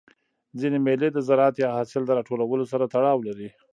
ځيني مېلې د زراعت یا حاصل د راټولولو سره تړاو لري.